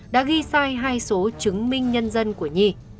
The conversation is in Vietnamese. đã ghi sai hai số chứng minh nhân dân của nhi